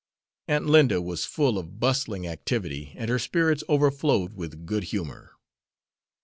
Aunt Linda was full of bustling activity, and her spirits overflowed with good humor.